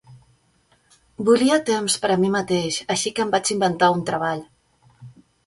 Volia temps per a mi mateix, així que em vaig inventar un treball.